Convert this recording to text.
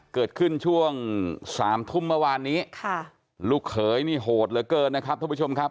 เกิดขึ้นช่วงสามทุ่มเมื่อวานนี้ค่ะลูกเขยนี่โหดเหลือเกินนะครับท่านผู้ชมครับ